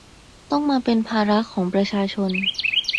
ต้องมาเป็นภาระของประชาชน